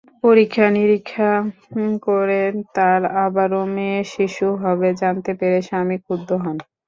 পরীক্ষা-নিরীক্ষা করে তাঁর আবারও মেয়েশিশু হবে জানতে পেরে স্বামী ক্ষুব্ধ হন।